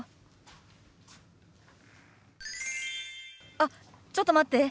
あっちょっと待って。